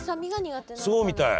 そうみたい。